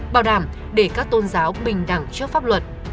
bảo đảm để các tôn giáo bình đẳng trước pháp luật